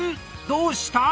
どうした？